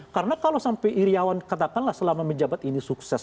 karena kalau sampai irawan katakanlah selama menjabat ini sukses